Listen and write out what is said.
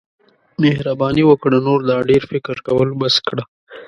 مهرباني وکړه نور دا ډیر فکر کول بس کړه.